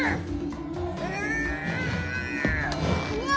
うわ！